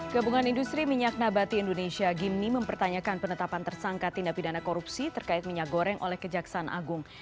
gabungan industri minyak nabati indonesia gimni mempertanyakan penetapan tersangka tindak pidana korupsi terkait minyak goreng oleh kejaksaan agung